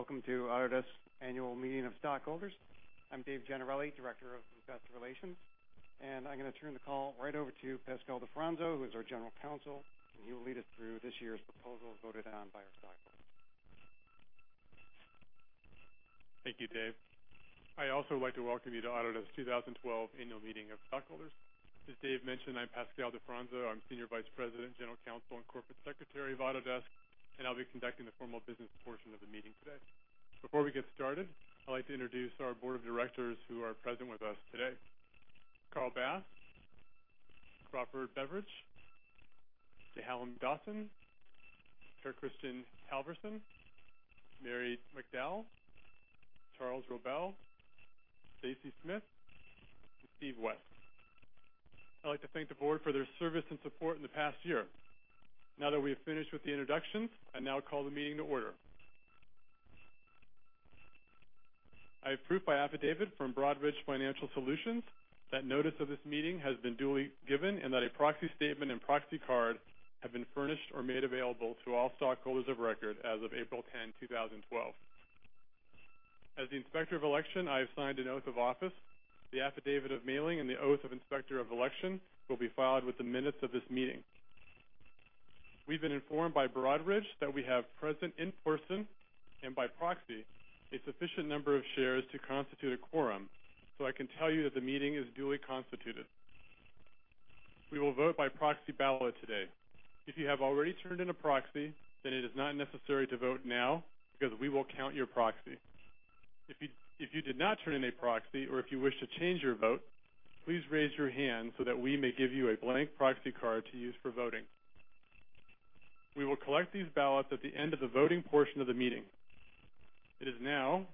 Hello, welcome to Autodesk Annual Meeting of Stockholders. I'm Dave Gennarelli, Director of Investor Relations, I'm going to turn the call right over to Pascal DiFronzo, who is our General Counsel, he will lead us through this year's proposals voted on by our stockholders. Thank you, Dave. I also would like to welcome you to Autodesk 2012 Annual Meeting of Stockholders. As Dave mentioned, I'm Pascal DiFronzo. I'm Senior Vice President, General Counsel, and Corporate Secretary of Autodesk, I'll be conducting the formal business portion of the meeting today. Before we get started, I'd like to introduce our board of directors who are present with us today. Carl Bass, Crawford Beveridge, J. Hallam Dawson, Per-Kristian Halvorsen, Mary McDowell, Charles Robel, Stacy Smith, and Steven West. I'd like to thank the board for their service and support in the past year. Now that we have finished with the introductions, I now call the meeting to order. I have proof by affidavit from Broadridge Financial Solutions that notice of this meeting has been duly given and that a proxy statement and proxy card have been furnished or made available to all stockholders of record as of April 10, 2012. As the Inspector of Election, I have signed an oath of office. The affidavit of mailing and the oath of Inspector of Election will be filed with the minutes of this meeting. We've been informed by Broadridge that we have present in person and by proxy, a sufficient number of shares to constitute a quorum. I can tell you that the meeting is duly constituted. We will vote by proxy ballot today. If you have already turned in a proxy, it is not necessary to vote now because we will count your proxy. If you did not turn in a proxy or if you wish to change your vote, please raise your hand so that we may give you a blank proxy card to use for voting. We will collect these ballots at the end of the voting portion of the meeting. It is now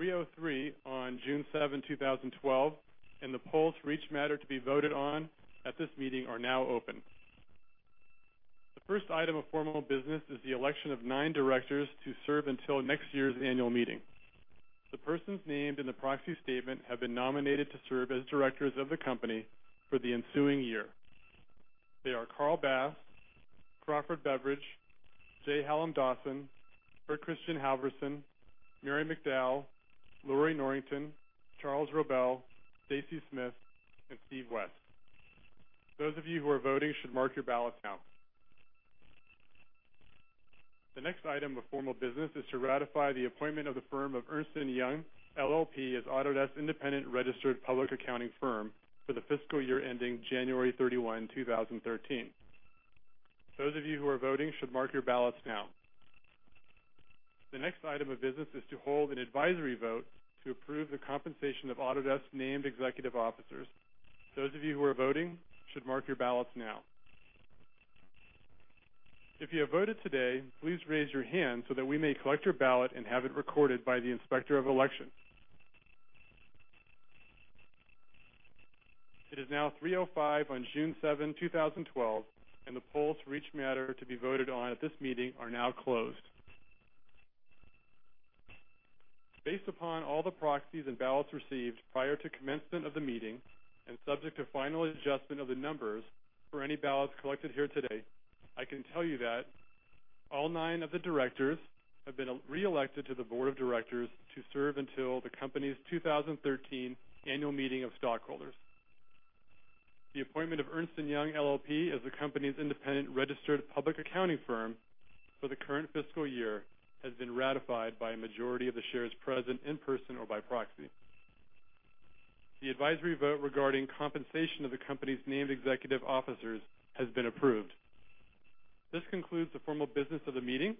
3:03 P.M. on June 7, 2012, the polls for each matter to be voted on at this meeting are now open. The first item of formal business is the election of nine directors to serve until next year's annual meeting. The persons named in the proxy statement have been nominated to serve as directors of the company for the ensuing year. They are Carl Bass, Crawford Beveridge, J. Hallam Dawson, Per-Kristian Halvorsen, Mary McDowell, Lorrie Norrington, Charles Robel, Stacy Smith, and Steven West. Those of you who are voting should mark your ballots now. The next item of formal business is to ratify the appointment of the firm of Ernst & Young LLP as Autodesk independent registered public accounting firm for the fiscal year ending January 31, 2013. Those of you who are voting should mark your ballots now. The next item of business is to hold an advisory vote to approve the compensation of Autodesk named executive officers. Those of you who are voting should mark your ballots now. If you have voted today, please raise your hand so that we may collect your ballot and have it recorded by the Inspector of Election. It is now 3:05 P.M. on June 7, 2012, and the polls for each matter to be voted on at this meeting are now closed. Based upon all the proxies and ballots received prior to commencement of the meeting and subject to final adjustment of the numbers for any ballots collected here today, I can tell you that all nine of the directors have been reelected to the board of directors to serve until the company's 2013 annual meeting of stockholders. The appointment of Ernst & Young LLP as the company's independent registered public accounting firm for the current fiscal year has been ratified by a majority of the shares present in person or by proxy. The advisory vote regarding compensation of the company's named executive officers has been approved. This concludes the formal business of the meeting.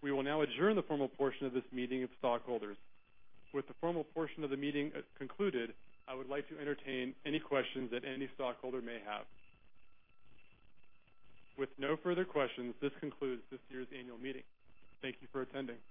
We will now adjourn the formal portion of this meeting of stockholders. With the formal portion of the meeting concluded, I would like to entertain any questions that any stockholder may have. With no further questions, this concludes this year's annual meeting. Thank you for attending.